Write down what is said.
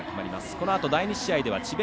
このあと第２試合では智弁